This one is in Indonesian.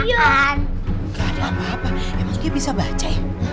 enggak ada apa apa emang dia bisa baca ya